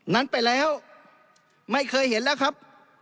นั้นไปแล้วไม่เคยเห็นแล้วครับ